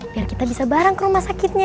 biar kita bisa bareng ke rumah sakitnya